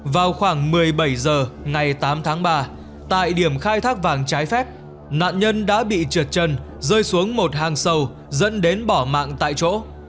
vào khoảng một mươi bảy h ngày tám tháng ba tại điểm khai thác vàng trái phép nạn nhân đã bị trượt chân rơi xuống một hang sâu dẫn đến bỏ mạng tại chỗ